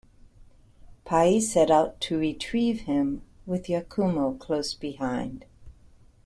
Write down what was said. Pai set out to retrieve him, with Yakumo close behind.